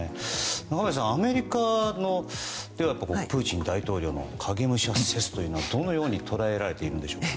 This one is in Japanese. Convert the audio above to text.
中林さん、アメリカはプーチン大統領の影武者説というのはどのように捉えられているんでしょうか。